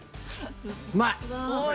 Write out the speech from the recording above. うまい！